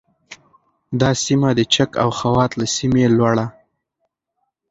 دا سیمه د چک او خوات له سیمې لوړه